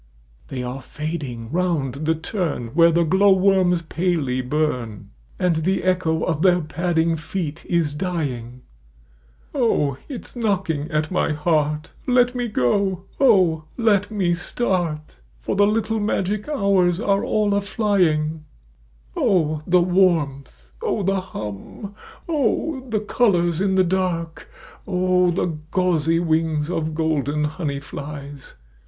They are fading round the turn Where tlie glow worms palel}' burn 64 Goblin Feet And tlie echo of^their padding feet is dying ! O ! it's knocking at my heart — Let me go ! <vO ! let mc start ! For ttie little magic hours are all a tlying. O ! the warmth ! O^! the hum ! O ! the colours in the dark ! O ! the gauzy wings of golden honey flies